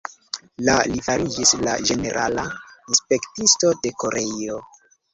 La li fariĝis la ĝenerala inspektisto de Koreio.